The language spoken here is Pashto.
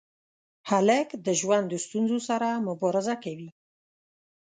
هلک د ژوند ستونزو سره مبارزه کوي.